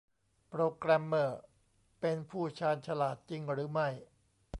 โปรแกรมเมอร์ เป็นผู้ชาญฉลาด จริงหรือไม่